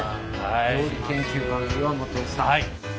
料理研究家の岩本さん。